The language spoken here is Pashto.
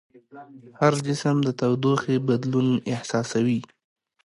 هر جسم د تودوخې بدلون احساسوي.